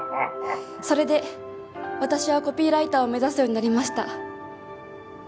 それで私はコピーライターを目指すようになりました。